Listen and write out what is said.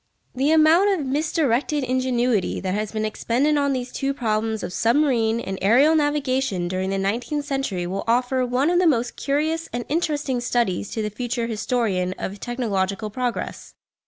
The amount of misdirected ingenuity that has been expended on these two problems of submarine and aerial navigation during the nineteenth century will offer one of the most curious and interesting studies to the future historian of technological progress.